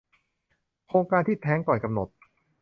โครงการที่แท้งก่อนกำหนด